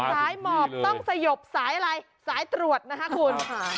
สายหมอบต้องสยบสายอะไรสายตรวจนะคะคุณ